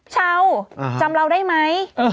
ชาวจำเราได้ไหม